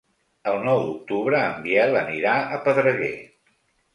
El nou d'octubre en Biel anirà a Pedreguer.